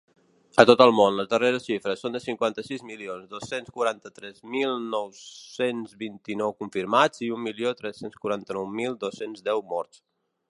A tot el món, les darreres xifres són de cinquanta-sis milions dos-cents quaranta-tres mil nou-cents vint-i-nou confirmats i un milió tres-cents quaranta-nou mil dos-cents deu morts.